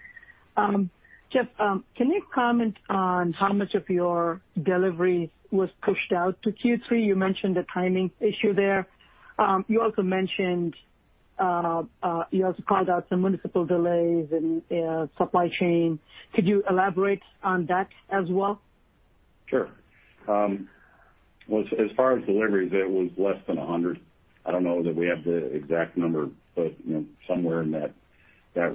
Jeff, can you comment on how much of your delivery was pushed out to Q3? You mentioned the timing issue there. You also called out some municipal delays and supply chain. Could you elaborate on that as well? Sure. Well, as far as deliveries, it was less than 100. I don't know that we have the exact number, but somewhere in that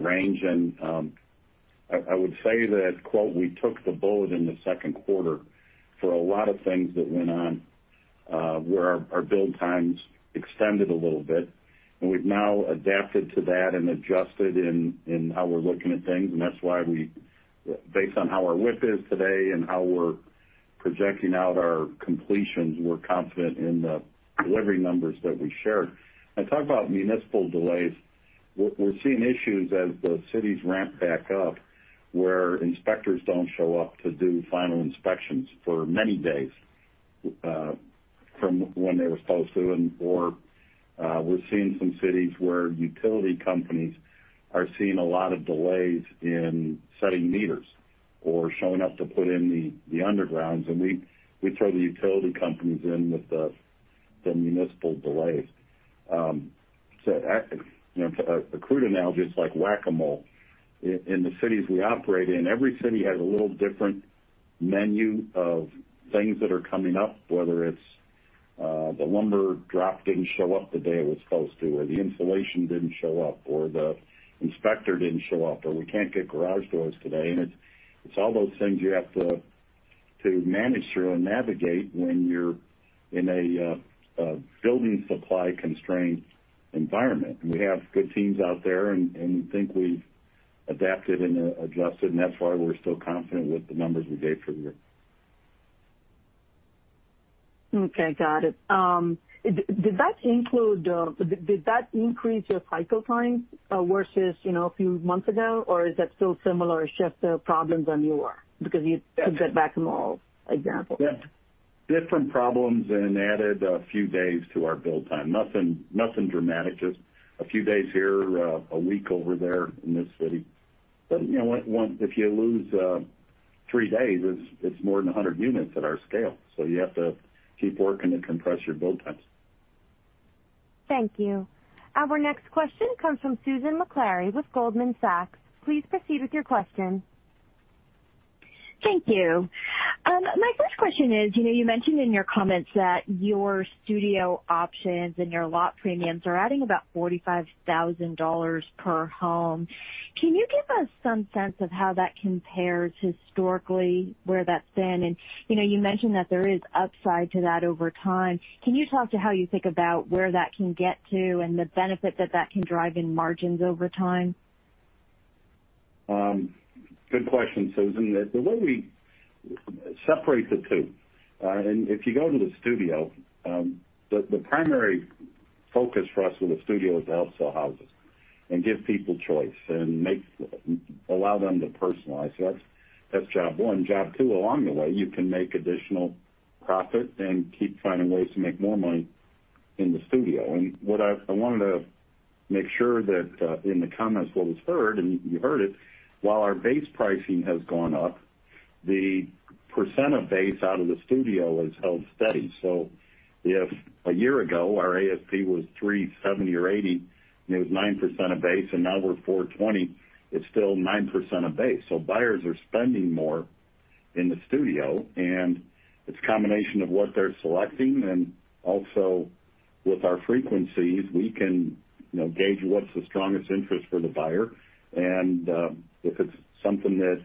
range. I would say that quote, we took the bullet in the second quarter for a lot of things that went on, where our build times extended a little bit, and we've now adapted to that and adjusted in how we're looking at things. That's why based on how our whip is today and how we're projecting out our completions, we're confident in the delivery numbers that we shared. I talk about municipal delays. We're seeing issues as the cities ramp back up where inspectors don't show up to do final inspections for many days from when they were supposed to. We're seeing some cities where utility companies are seeing a lot of delays in setting meters or showing up to put in the undergrounds. We throw the utility companies in with the municipal delays. A crude analogy, it's like Whac-A-Mole. In the cities we operate in, every city has a little different menu of things that are coming up, whether it's the lumber drop didn't show up the day it was supposed to, or the insulation didn't show up, or the inspector didn't show up, or we can't get garage doors today. It's all those things you have to manage through and navigate when you're in a building supply-constrained environment. We have good teams out there, and we think we've adapted and adjusted, and that's why we're still confident with the numbers we gave for the year. Okay, got it. Did that increase your cycle time versus a few months ago, or is that still similar? It's just problems are more because you said Whac-A-Mole example. Different problems and added a few days to our build time. Nothing dramatic, just a few days here, a week over there in this city. If you lose three days, it's more than 100 units at our scale. You have to keep working to compress your build times. Thank you. Our next question comes from Susan Maklari with Goldman Sachs. Please proceed with your question. Thank you. My first question is, you mentioned in your comments that your studio options and your lot premiums are adding about $45,000 per home. Can you give us some sense of how that compares historically, where that's been? You mentioned that there is upside to that over time. Can you talk to how you think about where that can get to and the benefit that that can drive in margins over time? Good question, Susan. The way we separate the two, if you go to the studio the primary focus for us with the studio is to upsell houses and give people choice and allow them to personalize. That's Job 1. Job 2, along the way, you can make additional profit and keep finding ways to make more money in the studio. What I wanted to make sure that in the comments that was heard, and you heard it, while our base pricing has gone up, the % of base out of the studio has held steady. If a year ago our ASP was $370 or $80 and it was 9% of base, now we're $420, it's still 9% of base. Buyers are spending more in the studio, and it's a combination of what they're selecting and also with our frequencies, we can gauge what is the strongest interest for the buyer. If it's something that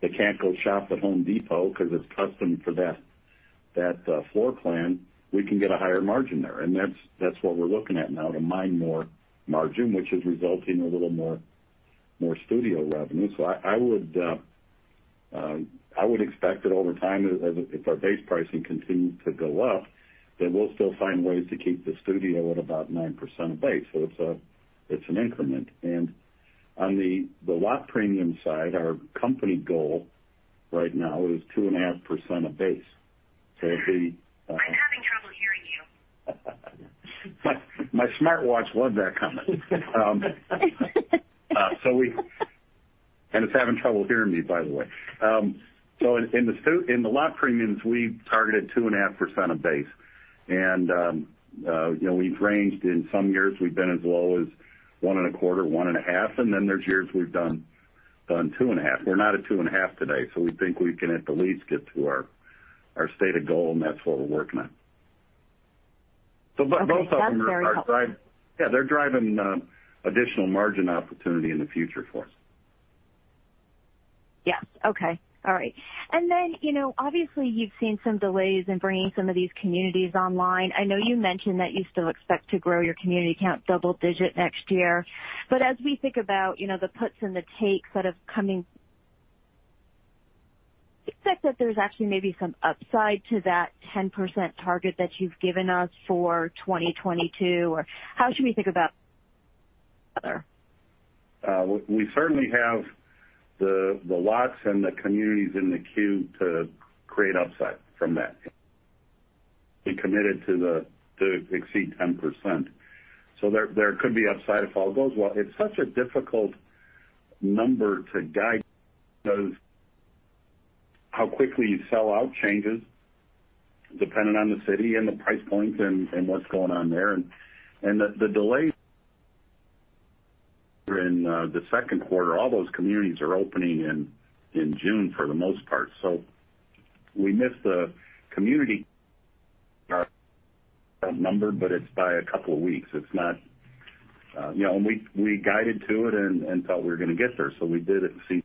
they can't go shop at Home Depot because it's custom for that floor plan, we can get a higher margin there. That's what we're looking at now to mine more margin, which is resulting in a little more studio revenue. I would expect that over time, if our base pricing continues to go up, that we'll still find ways to keep the studio at about 9% of base. It's an increment. On the lot premium side, our company goal right now is 2.5% of base. I'm having trouble hearing you. My smartwatch loved that comment. It's having trouble hearing me, by the way. In the lot premiums, we targeted 2.5% of base. We've ranged, in some years, we've been as low as 1.25, 1.5, and then there's years we've done 2.5. We're not at 2.5 today, so we think we can at the least get to our stated goal, and that's what we're working on. Both of them are driving additional margin opportunity in the future for us. Yeah. Okay. All right. Obviously you've seen some delays in bringing some of these communities online. I know you mentioned that you still expect to grow your community count double-digit next year. As we think about the puts and the takes that have coming, expect that there's actually maybe some upside to that 10% target that you've given us for 2022, or how should we think about that? We certainly have the lots and the communities in the queue to create upside from that. Be committed to exceed 10%. There could be upside if all goes well. It's such a difficult number to guide because how quickly you sell out changes depending on the city and the price points and what's going on there. The delays in the second quarter, all those communities are opening in June for the most part. We missed the community number, but it's by a couple of weeks. We guided to it and thought we were going to get there. We did exceed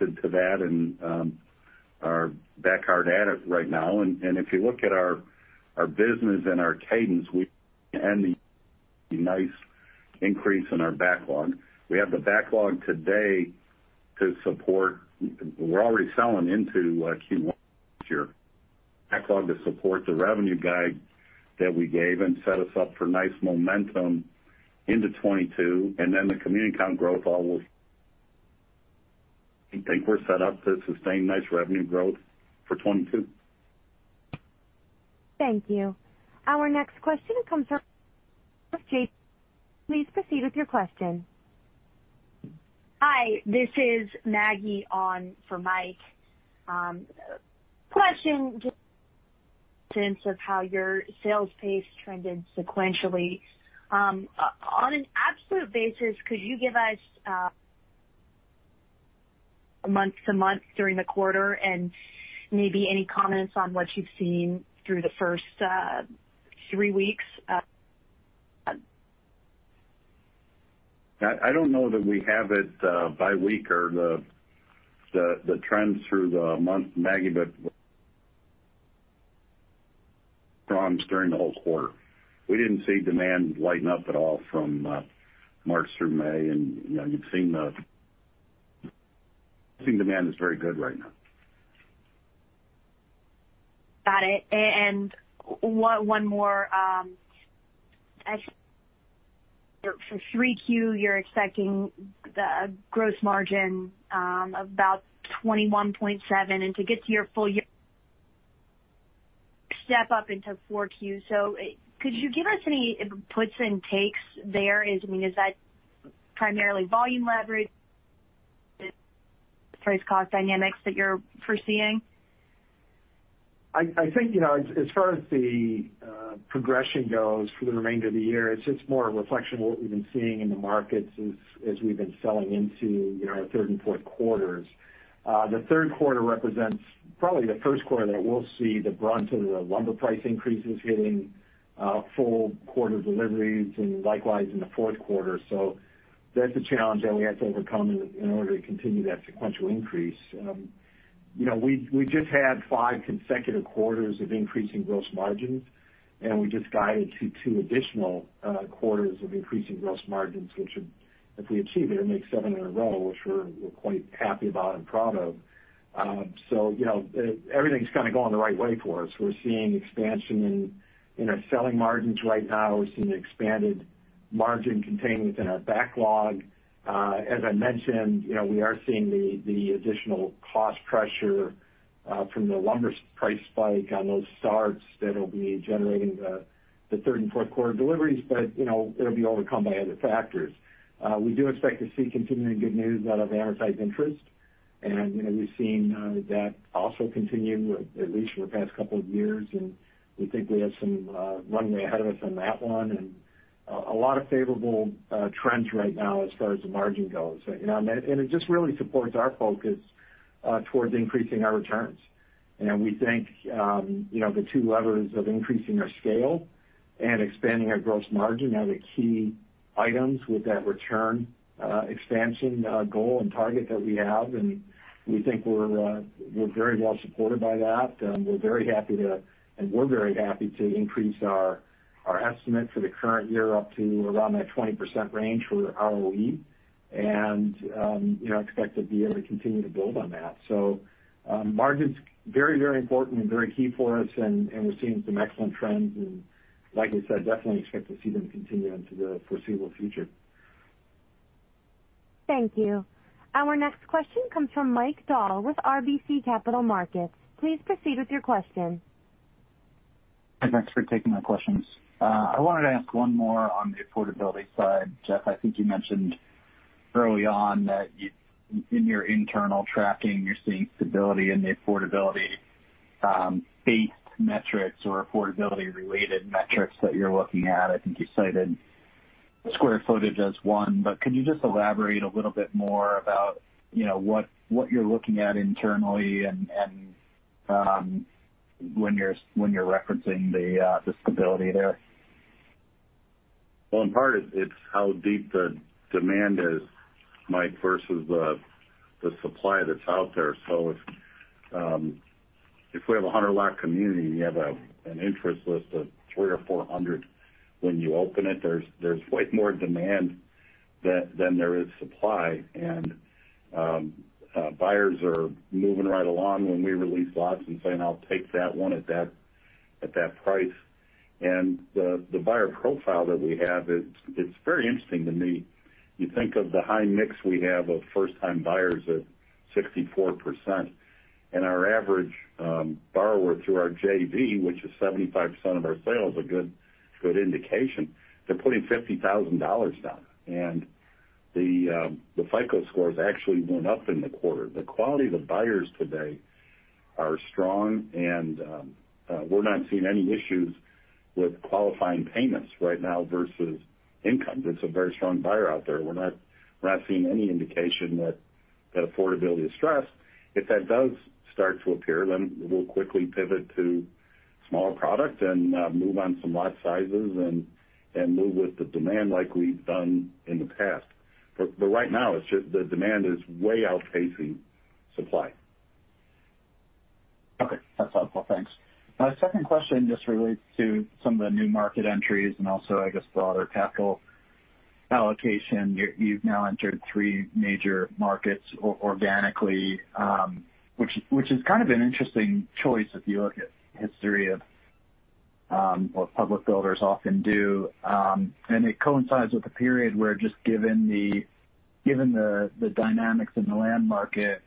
to that and are back hard at it right now. If you look at our business and our cadence, we had a nice increase in our backlog. We have the backlog today to support. We're already selling into Q1 next year. Backlog to support the revenue guide that we gave and set us up for nice momentum into 2022, and then the community count growth. We think we're set up to sustain nice revenue growth for 2022. Thank you. Hi, this is Maggie on for Mike. Question, just in sense of how your sales pace trended sequentially. On an absolute basis, could you give us month-to-month during the quarter and maybe any comments on what you've seen through the first three weeks? I don't know that we have it by week or the trends through the month, Maggie, but during the whole quarter. We didn't see demand lighten up at all from March through May, and we've seen demand is very good right now. Got it. One more. For 3Q, you're expecting a gross margin about 21.7% and to get to your full year step up into 4Q. Could you give us any puts and takes there? Is that primarily volume leverage, price-cost dynamics that you're foreseeing? I think, as far as the progression goes for the remainder of the year, it's just more a reflection of what we've been seeing in the markets as we've been selling into our third and fourth quarters. The third quarter represents probably the first quarter that we'll see the brunt of the lumber price increases hitting full quarter deliveries and likewise in the fourth quarter. That's a challenge that we have to overcome in order to continue that sequential increase. We just had five consecutive quarters of increasing gross margins, and we just guided to two additional quarters of increasing gross margins, which if we achieve it makes seven in a row, which we're quite happy about and proud of. Everything's going the right way for us. We're seeing expansion in selling margins right now. We're seeing expanded margin contained within our backlog. As I mentioned, we are seeing the additional cost pressure from the lumber price spike on those starts that'll be generating the third and fourth quarter deliveries, it'll be overcome by other factors. We do expect to see continuing good news out of our type interest. We've seen that also continue at least for the past two years. We think we have some runway ahead of us on that one. A lot of favorable trends right now as far as margin goes. It just really supports our focus towards increasing our returns. We think the two levers of increasing our scale and expanding our gross margin are the key items with that return expansion goal and target that we have. We think we're very well supported by that. We're very happy to increase our estimate for the current year up to around that 20% range for ROE, and expect to be able to continue to build on that. Margins, very, very important and very key for us, and we're seeing some excellent trends and like I said, definitely expect to see them continue into the foreseeable future. Thank you. Our next question comes from Mike Dahl with RBC Capital Markets. Please proceed with your question. Thanks. Thanks for taking my question. I wanted to ask one more on the affordability side. Jeff, I think you mentioned early on that in your internal tracking, you're seeing stability in the affordability base metrics or affordability related metrics that you're looking at. I think you cited square footage as one, but can you just elaborate a little bit more about what you're looking at internally and when you're referencing the stability there? Well, in part, it's how deep the demand is, Mike, versus the supply that's out there. If we have a 100-lot community and you have an interest list of 300 or 400 when you open it, there's way more demand than there is supply. Buyers are moving right along when we release lots and saying, "I'll take that one at that price." The buyer profile that we have, it's very interesting to me. You think of the high mix we have of first-time buyers at 64%, and our average borrower through our JV, which is 75% of our sales, a good indication. They're putting $50,000 down, and the FICO scores actually went up in the quarter. The quality of the buyers today are strong, and we're not seeing any issues with qualifying payments right now versus income. It's a very strong buyer out there. We're not seeing any indication that affordability is stressed. If that does start to appear, then we'll quickly pivot to small product and move on some lot sizes and move with the demand like we've done in the past. Right now, the demand is way outpacing supply. Okay. That's helpful. Thanks. My second question just relates to some of the new market entries and also, I guess, broader capital allocation. You've now entered three major markets organically, which is kind of an interesting choice if you look at history of what public builders often do. It coincides with a period where, just given the dynamics in the land market,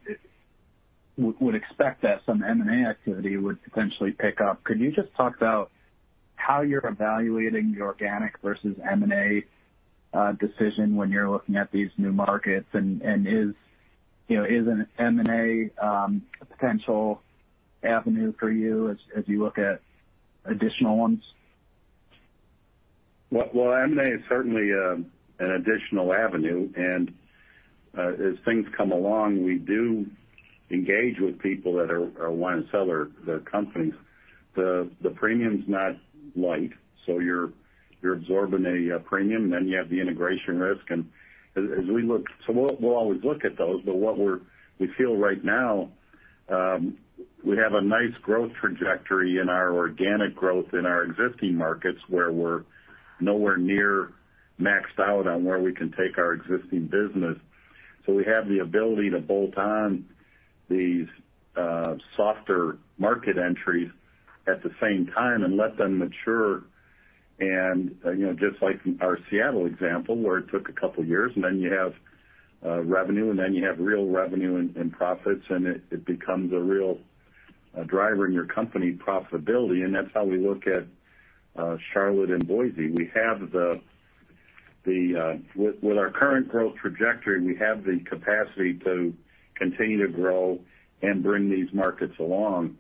we would expect that some M&A activity would potentially pick up. Could you just talk about how you're evaluating the organic versus M&A decision when you're looking at these new markets, and is an M&A a potential avenue for you as you look at additional ones? Well, M&A is certainly an additional avenue. As things come along, we do engage with people that want to sell their companies. The premium's not light. You're absorbing a premium, then you have the integration risk. We'll always look at those. What we feel right now, we have a nice growth trajectory in our organic growth in our existing markets where we're nowhere near maxed out on where we can take our existing business. We have the ability to bolt on these softer market entries at the same time and let them mature. Just like our Seattle example, where it took 2 years. Then you have revenue. Then you have real revenue and profits. It becomes a real driver in your company profitability. That's how we look at Charlotte and Boise. With our current growth trajectory, we have the capacity to continue to grow and bring these markets along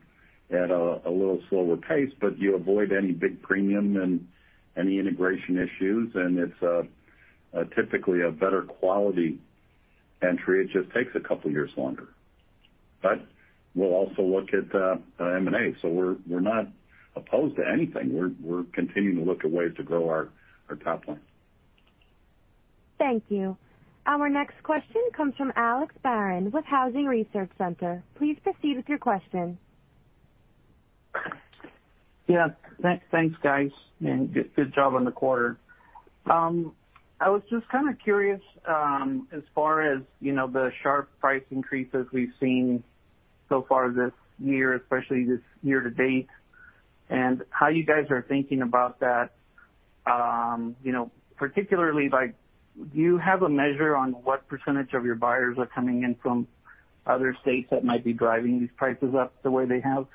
at a little slower pace, you avoid any big premium and any integration issues, and it's typically a better quality entry. It just takes a couple of years longer. We'll also look at the M&A. We're not opposed to anything. We're continuing to look at ways to grow our top line. Thank you. Our next question comes from Alex Barron with Housing Research Center. Please proceed with your question. Yeah, thanks, guys, and good job on the quarter. I was just kind of curious as far as the sharp price increases we've seen so far this year, especially this year to date, and how you guys are thinking about that. Particularly, do you have a measure on what % of your buyers are coming in from other states that might be driving these prices up the way they have?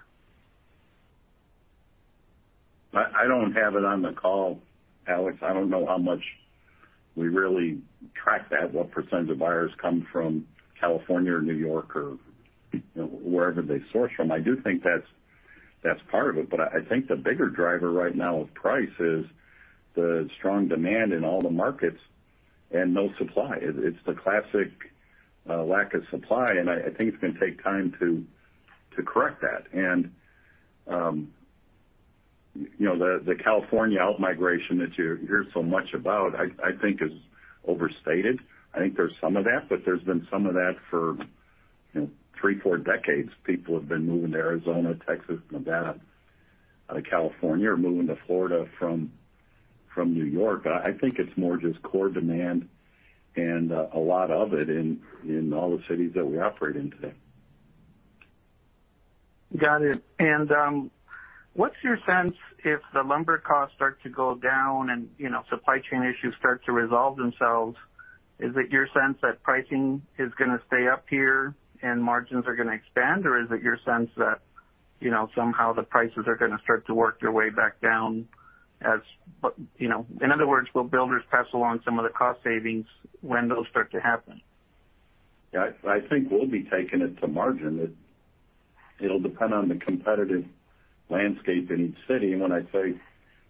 I don't have it on the call, Alex. I don't know how much we really track that, what percentage of buyers come from California or New York or wherever they source from. I do think that's part of it. I think the bigger driver right now with price is the strong demand in all the markets and no supply. It's the classic lack of supply, and I think it's going to take time to correct that. The California out-migration that you hear so much about, I think is overstated. I think there's some of that, but there's been some of that for three, four decades. People have been moving to Arizona, Texas, Nevada, California, or moving to Florida from New York. I think it's more just core demand and a lot of it in all the cities that we operate in today. Got it. What's your sense if the lumber costs start to go down and if the supply chain issues start to resolve themselves, is it your sense that pricing is going to stay up here and margins are going to expand? Is it your sense that somehow the prices are going to start to work their way back down as In other words, will builders pass along some of the cost savings when those start to happen? Yeah. I think we'll be taking it to margin. It'll depend on the competitive landscape in each city. When I say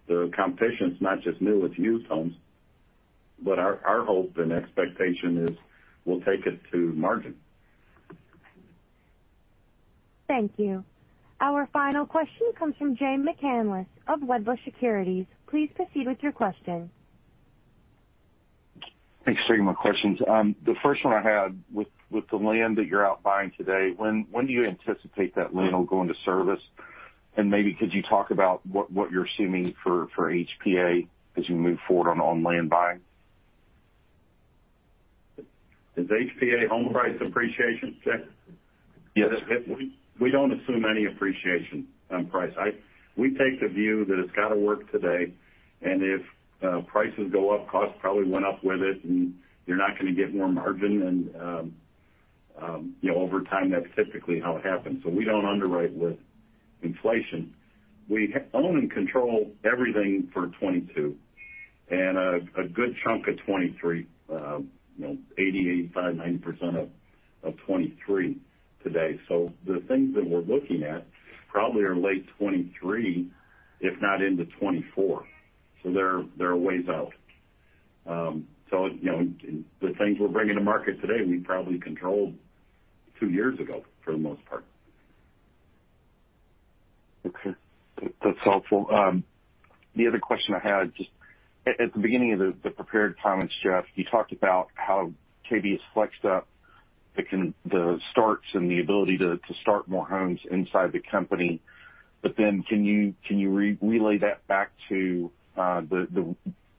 the competition's not just new, it's used homes. Our hope and expectation is we'll take it to margin. Thank you. Our final question comes from Jay McCanless of Wedbush Securities. Please proceed with your question. Thanks for taking my questions. The first one I had with the land that you're out buying today, when do you anticipate that land will go into service? Maybe could you talk about what you're assuming for HPA as you move forward on land buying? Is HPA home price appreciation, Jay? Yes. We don't assume any appreciation on price. We take the view that it's got to work today, and if prices go up, costs probably went up with it, and you're not going to get more margin. Over time, that's typically how it happens. We don't underwrite with inflation. We own and control everything for 2022, and a good chunk of 2023, 80%, 85%, 90% of 2023 today. The things that we're looking at probably are late 2023, if not into 2024. They're a ways out. The things we're bringing to market today, we probably controlled two years ago for the most part. Okay. That's helpful. The other question I had, just at the beginning of the prepared comments, Jeff, you talked about how KB has flexed up the starts and the ability to start more homes inside the company. Can you relay that back to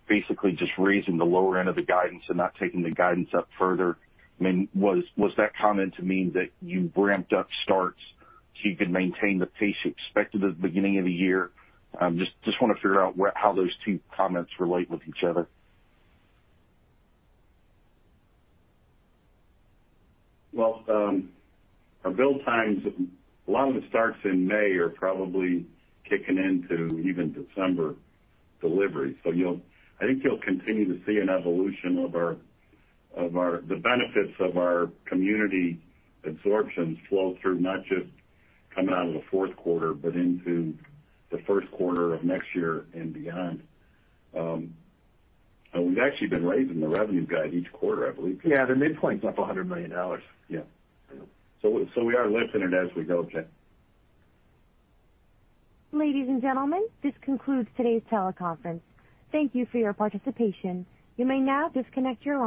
basically just raising the lower end of the guidance and not taking the guidance up further? Was that comment to mean that you ramped up starts so you could maintain the pace you expected at the beginning of the year? Just want to figure out how those two comments relate with each other. Well, our build times, a lot of the starts in May are probably kicking into even December delivery. I think you'll continue to see an evolution of the benefits of our community absorption flow through, not just coming out of the fourth quarter, but into the first quarter of next year and beyond. We've actually been raising the revenue guide each quarter, I believe. Yeah, the midpoint's up $100 million. Yeah. We are listening as we go, Jay. Ladies and gentlemen, this concludes today's teleconference. Thank you for your participation. You may now disconnect your lines.